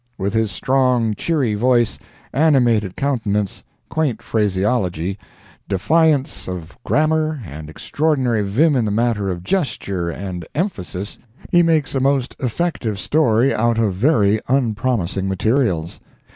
With his strong, cheery voice, animated countenance, quaint phraseology, defiance of grammar and extraordinary vim in the matter of gesture and emphasis, he makes a most effective story out of very unpromising materials.